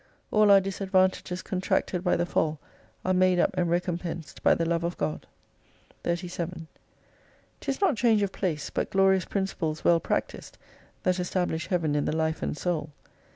All our disadvantages contracted by the fall arc made up and recompensed by the Love of God. 37 'Tis not change of place, but glorious principles well practised that establish Heaven in the life and soul.